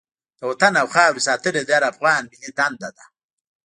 د وطن او خاورې ساتنه د هر افغان ملي دنده ده.